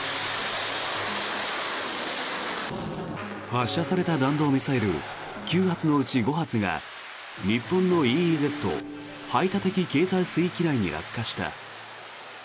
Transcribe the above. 発射された弾道ミサイル９発のうち５発が日本のＥＥＺ・排他的経済水域内に落下した。